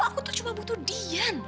aku tuh cuma butuh dian